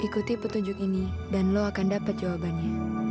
ikuti petunjuk ini dan lo akan dapat jawabannya